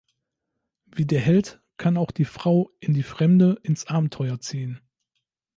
Wie der Held kann auch die Frau in die Fremde, ins Abenteuer ziehen.